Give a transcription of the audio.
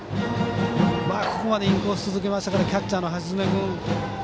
ここまでインコース続けましたからキャッチャーの橋爪君。